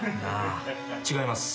違います。